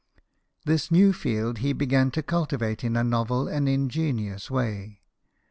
This new field he began to cultivate in a novel and ingenious way.